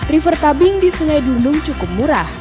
river tubing di sungai delundung cukup murah